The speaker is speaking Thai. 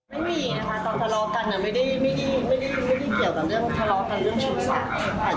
ไม่มีนะคะตอนทะเลากันไม่ได้เกี่ยวกันเรื่องทะเลากัน